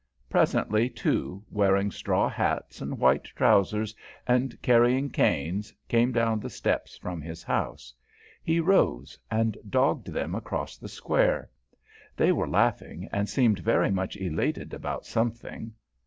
Presently two, wearing straw hats and white trousers and carrying canes, came down the steps from his house. He rose and dogged them across the Square. They were laughing and seemed very much elated about something.